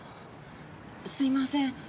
すいません。